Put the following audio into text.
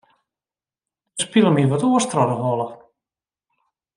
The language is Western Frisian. Der spile my wat oars troch de holle.